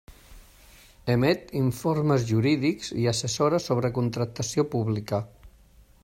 Emet informes jurídics i assessora sobre contractació pública.